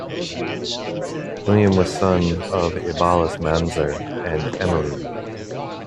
William was son of Ebalus Manzer and Emilienne.